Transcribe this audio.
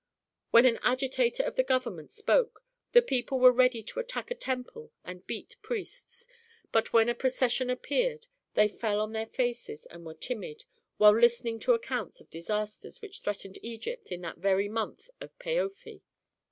When an agitator of the government spoke, the people were ready to attack a temple and beat priests, but when a procession appeared they fell on their faces and were timid while listening to accounts of disasters which threatened Egypt in that very month of Paofi.